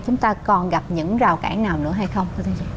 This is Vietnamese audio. chúng ta còn gặp những rào cản nào nữa hay không